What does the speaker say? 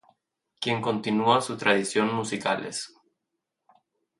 Quien continúa su tradición musicales.